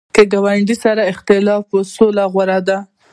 که ګاونډي سره اختلاف وي، صلح غوره ده